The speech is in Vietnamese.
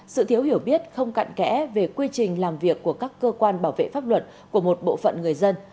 sự thiếu hiểu biết không cạn kẽ về quy trình làm việc của các cơ quan bảo vệ pháp luật của một bộ phận người dân